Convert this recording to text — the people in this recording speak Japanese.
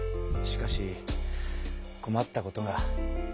しかしこまったことが。